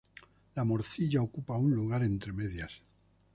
La morcilla ocupa un lugar entre medias.